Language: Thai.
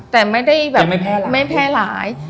แต่ไม่แพ้หลาย